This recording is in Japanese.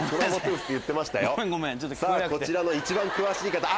こちらの一番詳しい方。